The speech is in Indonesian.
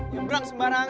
ya berang sembarangan